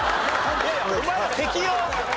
いやいやお前ら敵よ？